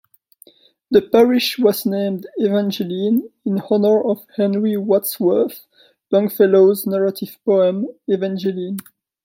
The parish was named "Evangeline" in honor of Henry Wadsworth Longfellow's narrative poem, "Evangeline".